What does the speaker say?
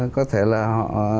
có thể là họ